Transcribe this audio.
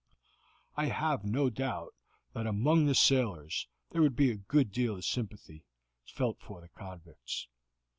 I have no doubt that among the sailors there would be a good deal of sympathy felt for the convicts.